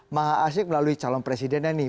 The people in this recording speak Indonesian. maha asyik melalui calon presidennya nih